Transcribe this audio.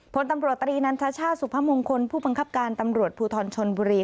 พลตำรวจตรีนันทชาติสุพมงคลผู้บังคับการตำรวจภูทรชนบุรี